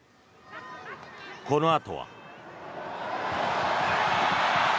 このあとは。